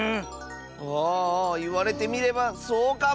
ああああいわれてみればそうかも！